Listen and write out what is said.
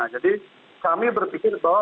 jadi kami berpikir bahwa